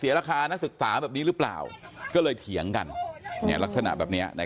มีความรู้สึกให้ความดรยีเห็นกันอย่างไร